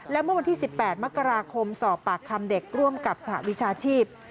และเมื่อวันที่๑๘มกราคมสอบปากคำเด็กร่วมกับสหวิชาชีพ